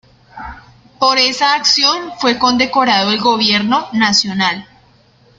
Por esa acción fue condecorado por el gobierno nacional.